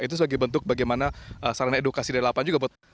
itu sebagai bentuk bagaimana sarana edukasi dari lapangan juga buat